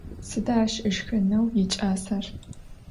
Sıda aş ışşxıneu yiç'aser?